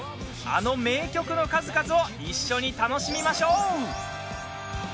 あの名曲の数々を一緒に楽しみましょう。